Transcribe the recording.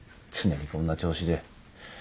常にこんな調子で。